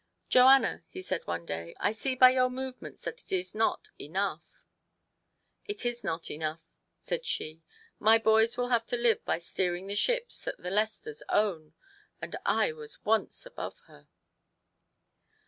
" Joanna," he said, one day, " I see by your movements that it is not enough." :4 It is not enough," said she. " My boys will have to live by steering the ships that the Lesters own, and I was once above her